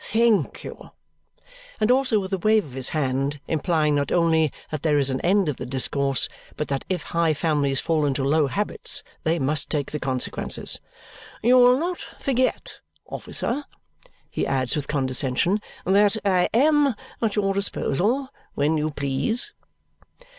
Thank you!" and also with a wave of his hand, implying not only that there is an end of the discourse, but that if high families fall into low habits they must take the consequences. "You will not forget, officer," he adds with condescension, "that I am at your disposal when you please."